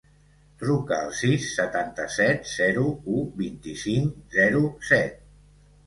Truca al sis, setanta-set, zero, u, vint-i-cinc, zero, set.